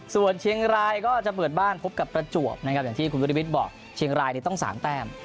ส่วนเชียงรายก็จะเปิดบ้านพบกับประจวบนะครับอย่างที่คุณวิริวิทย์บอกเชียงรายต้อง๓แต้ม